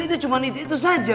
itu cuma itu saja